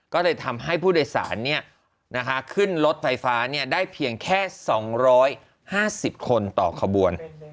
ก็เลยทำให้ผู้โดยสารขึ้นรถไฟฟ้าได้เพียงแค่๒๕๐คนต่อขบวน